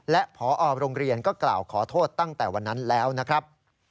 และพอโรงเรียนก็กล่าวขอโทษตั้งแต่วันนั้นแล้วนะครับ